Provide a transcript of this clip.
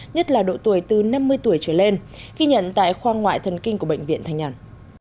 nhất là độ tuổi từ năm mươi tuổi trở lên ghi nhận tại khoa ngoại thần kinh của bệnh viện thanh nhàn